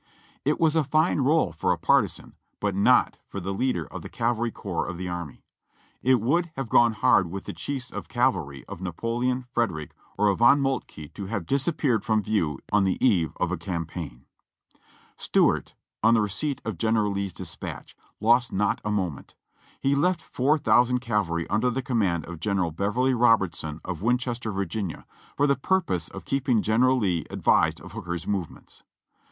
It was a fine role for a partisan, but not for the leader of the cavalry corps of the army. It would have gone hard with the chiefs of cavalry of Napoleon, Frederick, or a Von ]\loltke to have disappeared from view on the eve of a campaign. Stuart, on the receipt of General Lee's dispatch, lost not a moment. He left four thousand cavalry under the command of General Beverly Robertson at Winchester, Va.. for the purpose of keeping General Lee advised of Hooker's movements.